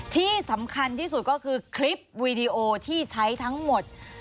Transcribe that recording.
ที่สำคัญที่สุดก็คือคลิปวีดีโอที่ใช้ทั้งหมด